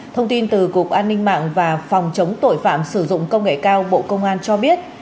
thông tin từ cục an ninh mạng và phòng chống tội phạm sử dụng công nghệ cao bộ công an cho biết